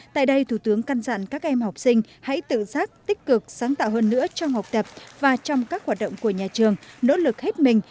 tại đây thủ tướng căn dặn các em học sinh hãy tự giác tích cực sáng tạo hơn nữa trong học tập và trong các hoạt động của nhà trường nỗ lực hết mình